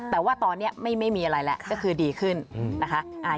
แต่ว่าตอนนี้ไม่มีอะไรแล้วก็คือดีขึ้นนะคะ